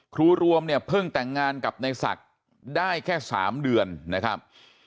รวมเนี่ยเพิ่งแต่งงานกับในศักดิ์ได้แค่๓เดือนนะครับ